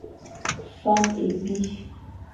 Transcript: Fakh ébi.